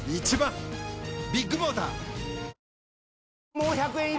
もう１００円いる！